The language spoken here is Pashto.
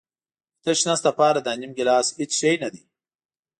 د تش نس لپاره دا نیم ګیلاس هېڅ شی نه دی.